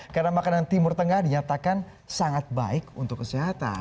karena makanan timur tengah dinyatakan sangat baik untuk kesehatan